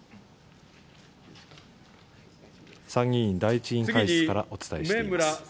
参議院第１委員会室からお伝えしています。